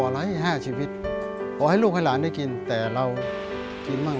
เราสู้กันไปนะพ่อนะ